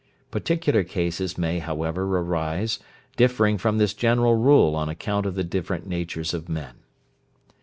Particular cases may, however, arise differing from this general rule on account of the different natures of men.